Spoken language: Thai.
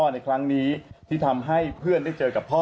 ในครั้งนี้ที่ทำให้เพื่อนได้เจอกับพ่อ